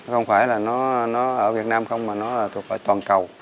không phải là nó ở việt nam không mà nó thuộc ở toàn cầu